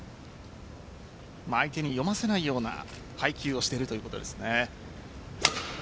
相手に読ませないような配球をしているということですね。